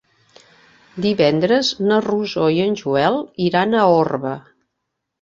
Divendres na Rosó i en Joel iran a Orba.